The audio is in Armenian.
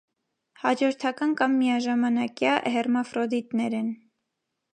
Հաջորդական կամ միաժամանակյա հերմաֆրոդիտներ են։